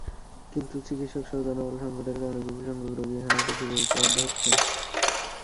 কিন্তু চিকিৎসকসহ জনবল-সংকটের কারণে বিপুলসংখ্যক রোগী এখানে এসে ফিরে যেতে বাধ্য হচ্ছেন।